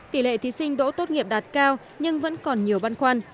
tỷ lệ thí sinh đỗ tốt nghiệp đạt cao nhưng vẫn còn nhiều băn khoăn